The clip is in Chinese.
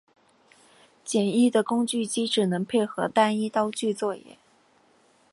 简易的工具机只能配合单一刀具作业。